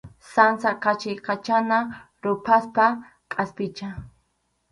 Sansa qachiykachana ruphasqa kʼaspicha.